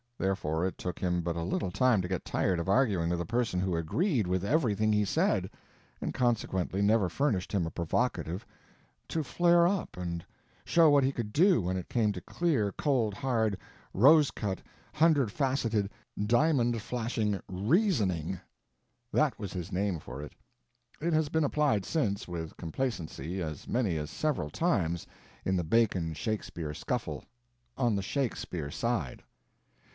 Therefore it took him but a little time to get tired of arguing with a person who agreed with everything he said and consequently never furnished him a provocative to flare up and show what he could do when it came to clear, cold, hard, rose cut, hundred faceted, diamond flashing reasoning. That was his name for it. It has been applied since, with complacency, as many as several times, in the Bacon Shakespeare scuffle. On the Shakespeare side.